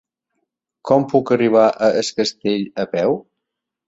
Com puc arribar a Es Castell a peu?